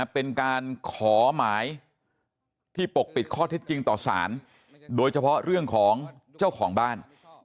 เป็นการขอหมายที่ปกปิดข้อเท็จจริงต่อสารโดยเฉพาะเรื่องของเจ้าของบ้าน